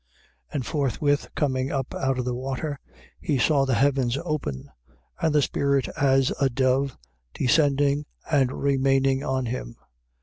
1:10. And forthwith coming up out of the water, he saw the heavens open and the Spirit as a dove descending and remaining on him.